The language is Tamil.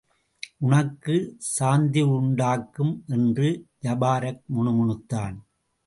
உனக்கு சாந்தியுண்டாக்கும்! என்று ஜபாரக் முணுமுணுத்தான்.